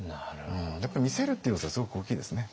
やっぱり見せるって要素はすごく大きいですね。